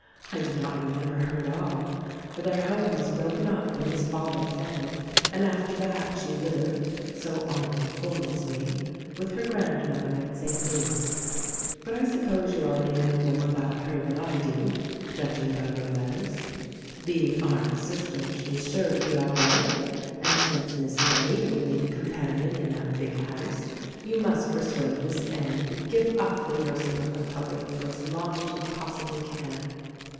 I do not remember her at all ; for their home was broken up when his father failed, and after that she lived — so Arndt informs me — with her grandmother in 1 88 THE RECORDING AXGEL St. Louis. But I suppose you already know more about hef than I do — judging by your letters. Being Arndt's sister, she is sure to be all right; and since Miss Nettie will need a companion in that big house you must persuade Miss Annie to give up the nursing of the public for as long as you possibly can.